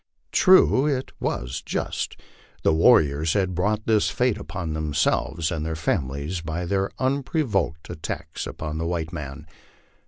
True, it was just. The warriors had brought this fate upon themselves and their families by their unprovoked at tacks upon the white man.